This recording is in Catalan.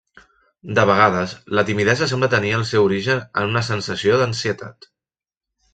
De vegades, la timidesa sembla tenir el seu origen en una sensació d'ansietat.